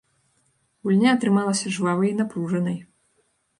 Гульня атрымалася жвавай і напружанай.